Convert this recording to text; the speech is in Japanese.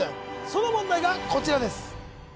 その問題がこちらです